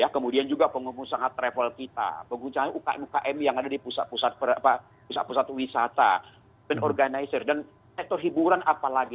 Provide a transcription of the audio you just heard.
kemudian juga pengusaha travel kita pengguna ukm ukm yang ada di pusat pusat wisata penorganizer dan sektor hiburan apalagi